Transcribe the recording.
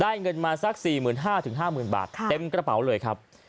เงินมาสัก๔๕๐๐๕๐๐๐บาทเต็มกระเป๋าเลยครับ